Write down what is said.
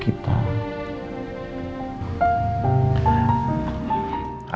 kita akan selalu bersama